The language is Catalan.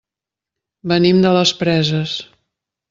Venim de les Preses.